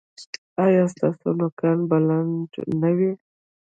ایا ستاسو نوکان به لنډ نه وي؟